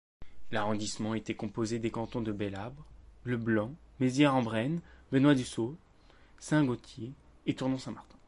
L'arrondissement était composées des cantons de Bélâbre, Le Blanc, Mézières-en-Brenne, Saint-Benoît-du-Sault, Saint-Gaultier et Tournon-Saint-Martin.